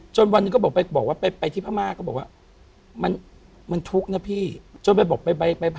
จนวันนี้ก็บอกว่าไปที่พระม่าก็บอกว่า